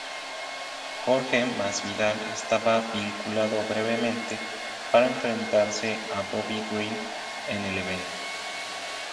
Jorge Masvidal estaba vinculado brevemente para enfrentarse a Bobby Green en el evento.